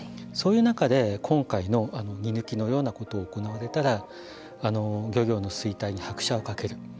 そういう中で今回の荷抜きのようなことを行われたら漁業の衰退に拍車をかける。